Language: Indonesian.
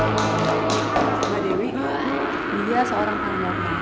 mbak dewi dia seorang para nama